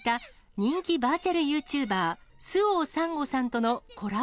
人気バーチャルユーチューバー、周央サンゴさんとのコラボ